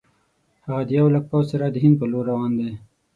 هغه د یو لک پوځ سره د هند پر لور روان دی.